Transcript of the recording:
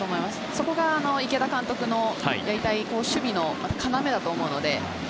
そこが池田監督のやりたい守備の要だと思うので。